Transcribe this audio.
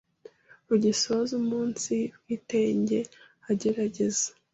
Rugesoze umunsi bwitenge egeregeze